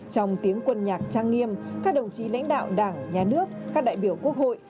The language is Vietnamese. trong tiếng quân nhạc trang nghiêm các đồng chí lãnh đạo đảng nhà nước các đại biểu quốc hội